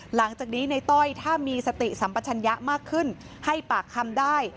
หลังจากนี้ในต้อยถ้ามีสติสัมปัชญะมากขึ้นให้ปากคำได้